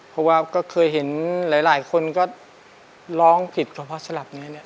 เพราะว่าก็เคยเห็นหลายคนก็ร้องผิดกับพ่อสลับนี้แหละ